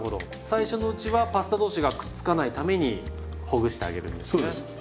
最初のうちはパスタ同士がくっつかないためにほぐしてあげるんですね。